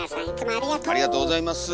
ありがとうございます。